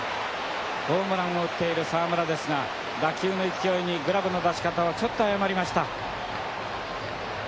ホームランを打っている澤村ですが打球の勢いにグラブの出し方をちょっと誤りました。